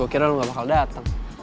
gak usah gue kira lo gak bakal dateng